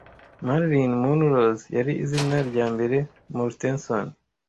Marilyn Munroes yari izina ryambere Mortenson